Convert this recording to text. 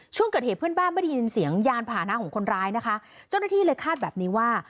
เจ้าหน้าที่เลยคาดแบบนี้ว่า